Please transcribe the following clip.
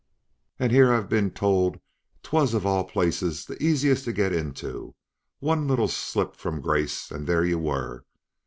"And here I've been told 'twas, of all places, the easiest to get into; one little slip from grace and there you were!